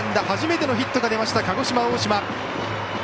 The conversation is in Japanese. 初めてのヒットが出ました鹿児島、大島。